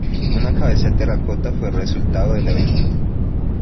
Una cabeza de terracota fue el resultado del evento.